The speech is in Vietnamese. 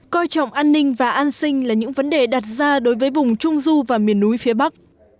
coi trọng an ninh và an sinh là những vấn đề đặt ra đối với vùng trung du và miền núi phía bắc